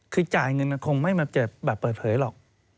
คือจ่ายเงินกันคงไม่แบบจะแบบเปิดเผยหรอก